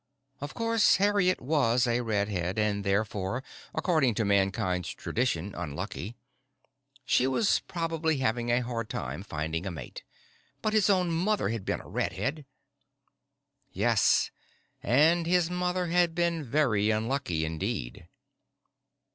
Of course, Harriet was a redhead, and therefore, according to Mankind's traditions, unlucky. She was probably having a hard time finding a mate. But his own mother had been a redhead. Yes, and his mother had been very unlucky indeed.